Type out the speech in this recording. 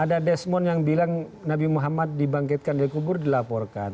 ada desmond yang bilang nabi muhammad dibangkitkan dari kubur dilaporkan